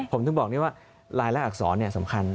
ผมถึงบอกได้ว่ารายละอักษรสำคัญ